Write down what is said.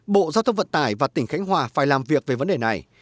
bộ giao thông vận tải và tỉnh khánh hòa phải làm việc về vấn đề này